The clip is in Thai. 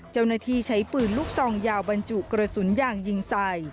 เจ้าหน้าที่ใช้ปืนลูกซองยาวบรรจุกระสุนยางยิงใส่